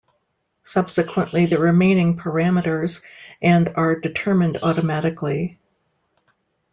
Subsequently, the remaining parameters and are determined automatically.